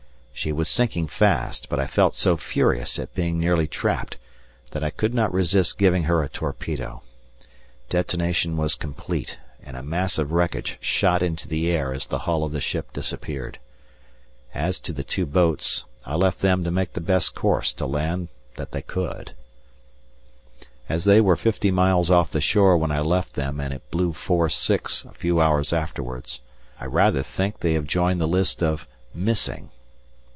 She was sinking fast, but I felt so furious at being nearly trapped that I could not resist giving her a torpedo; detonation was complete, and a mass of wreckage shot into the air as the hull of the ship disappeared. As to the two boats, I left them to make the best course to land that they could. As they were fifty miles off the shore when I left them and it blew force six a few hours afterwards, I rather think they have joined the list of "Missing."